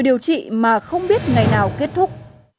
điều trị mà không biết ngày nào kết thúc